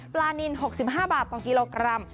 นิน๖๕บาทต่อกิโลกรัม